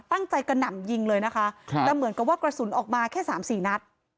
กระหน่ำยิงเลยนะคะครับแต่เหมือนกับว่ากระสุนออกมาแค่สามสี่นัด